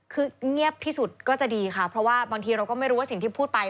คือเงียบที่สุดก็จะดีค่ะเพราะว่าบางทีเราก็ไม่รู้ว่าสิ่งที่พูดไป